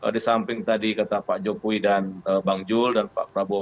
di samping tadi kata pak jokowi dan bang jul dan pak prabowo